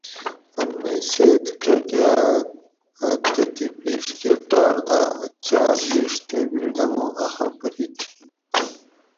ان مئ سید کاکا اۤ تتھی پِیڛ کہ ٹاۤر داۤ اَ چاۤل لِڄ تے بِڛدمو اۤ خاپری تھی